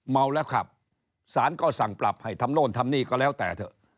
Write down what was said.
เมาแล้วขับสารก็สั่งปรับให้ทำโน่นทำนี่ก็แล้วแต่เถอะ